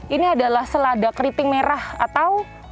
ini adalah selada keriting merah atau